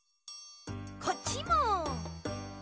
こっちも。